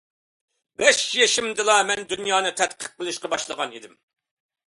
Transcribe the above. بەش يېشىمدىلا، مەن دۇنيانى تەتقىق قىلىشقا باشلىغان ئىدىم.